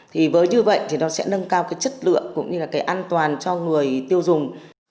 thì với như vậy thì nó sẽ nâng cao cái chất lượng cũng như là cái an toàn cho người tiêu dùng